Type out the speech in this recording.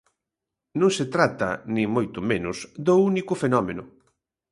Non se trata, nin moito menos, do único fenómeno.